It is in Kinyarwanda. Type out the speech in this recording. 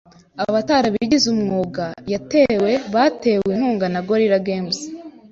abatarabigize umwuga yatewe batewe inkunga na Gorilla Games,